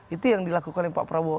itu yang dilakukan pak prabowo